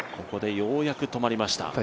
ここでようやく止まりました。